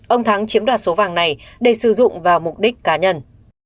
ông thắng chiếm đoạt số vàng này để sử dụng vào mục đích cá nhân